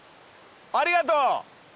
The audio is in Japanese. ありがとう。